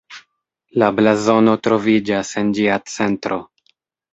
La blazono troviĝas en ĝia centro.